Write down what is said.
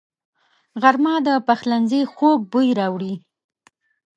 غرمه د پخلنځي خوږ بوی راوړي